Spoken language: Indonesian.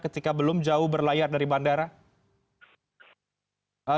ketika belum jauh berlayar dari bandara